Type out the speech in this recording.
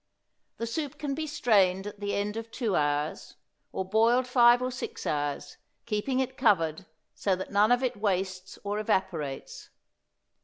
The soup can be strained at the end of two hours, or boiled five or six hours, keeping it covered so that none of it wastes or evaporates.